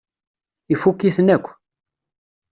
Ifukk-iten akk.